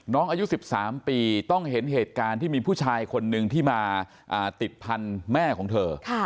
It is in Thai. อายุ๑๓ปีต้องเห็นเหตุการณ์ที่มีผู้ชายคนนึงที่มาติดพันธุ์แม่ของเธอ